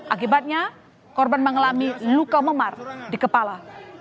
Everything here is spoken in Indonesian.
akibatnya korban mengalami luka memar di kepala